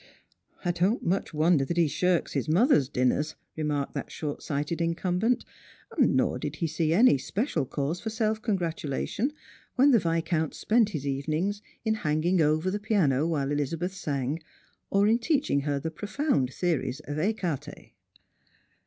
" I don't much wonder that he shirks his mother's dinners," remarked that short sighted incumbent; nor did he eee any special cause for self gratulation when the Viscount spent his evenings in hanging over tho piano while Elizabeth sang, or in teaching her the profound theories of ecarte.